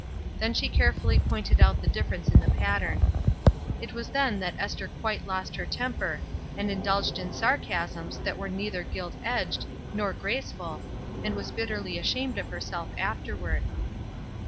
Then she carefully pointed MODELS 117 out the difference in the pattern. It was then that Esther quite lost her temper, and indulged in sarcasms that were neither gilt edged nor graceful, and was bitterly ashamed of herself afterward.